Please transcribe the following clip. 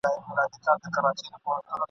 په قفس کي به ککړي درته کړمه ..